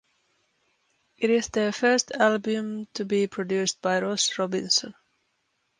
It is their first album to be produced by Ross Robinson.